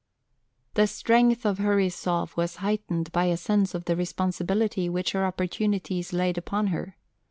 The strength of her resolve was heightened by a sense of the responsibility which her opportunities laid upon her.